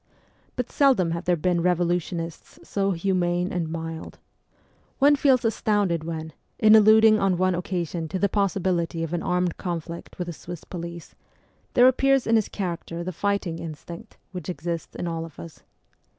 But seldom have there been revolutionists so humane and mild. One feels astounded when, in alluding on one occa sion to the possibility of an armed conflict with the Swiss police, there appears in his character the fight ing instinct which exists in all of us.